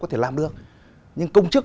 có thể làm được nhưng công chức